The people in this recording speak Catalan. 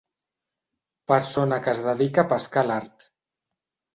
Persona que es dedica a pescar a l'art.